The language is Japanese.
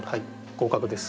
合格です。